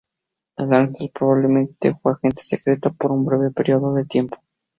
El Ángel probablemente fue agente secreto por un breve periodo de tiempo.